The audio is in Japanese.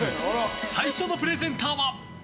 最初のプレゼンターは。